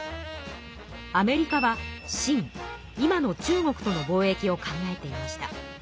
アメリカは清今の中国との貿易を考えていました。